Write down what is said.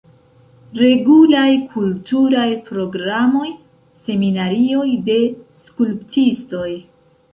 Regulaj kulturaj programoj, seminarioj de skulptistoj.